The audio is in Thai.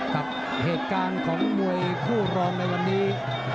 กับเหตุการณ์ของมวยคู่รองในวันนี้